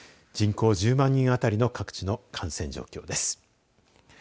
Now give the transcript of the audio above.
人口１０万人あたりの各地の感染状況です。